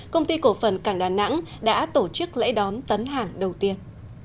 công ty cổ phần cảng đà nẵng đã tổ chức lễ đón tấn hàng đầu tiên